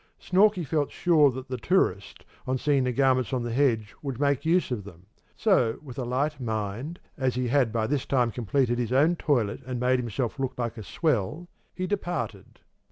Snorkey felt sure that the tourist, on seeing the garments on the hedge would make use of them; so, with a light mind, as he had by this time completed his own toilet and made himself look like a swell, he departed.